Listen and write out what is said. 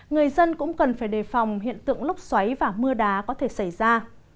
người dân cũng cần phải đề phòng hiện tượng lốc xoáy và mưa đá có thể xảy ra